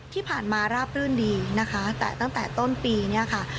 ที่ผ่านมาราบรื่นดีนะคะแต่ตั้งแต่ต้นปีเนี่ยค่ะ